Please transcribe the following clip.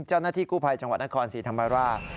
เจ้าหน้าที่กู้ภัยจังหวัดนครศรีธรรมราช